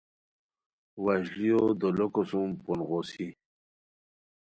وشلیو دولوکو سُم پون غوسی